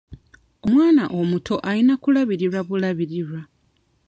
Omwana omuto ayina kulabirirwa bulabirirwa.